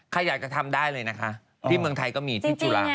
ใครอยากจะทำได้เลยนะคะที่เมืองไทยก็มีที่จุฬา